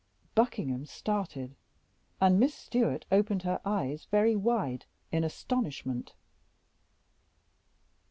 Buckingham started, and Miss Stewart opened her eyes very wide in astonishment.